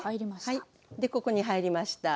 はいここに入りました。